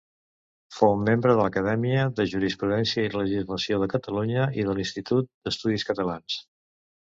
Fou membre de l'Acadèmia de Jurisprudència i Legislació de Catalunya i de l'Institut d'Estudis Catalans.